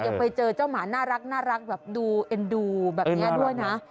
ยังไปเจอเจ้าหมาน่ารักแบบดูเอ็นดูแบบนี้ด้วยนะ